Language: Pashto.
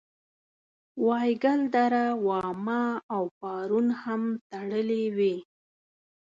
وایګل دره واما او پارون هم تړلې وې.